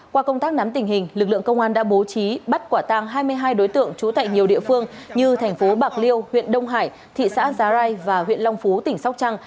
qua công tác nắm tình hình lực lượng công an đã bố trí bắt quả tang hai mươi hai đối tượng trú tại nhiều địa phương như thành phố bạc liêu huyện đông hải thị xã giá rai và huyện long phú tỉnh sóc trăng